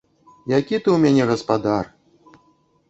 Які ты ў мяне гаспадар?